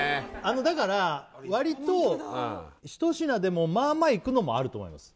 だから割と一品でもまあまあいくのもあると思います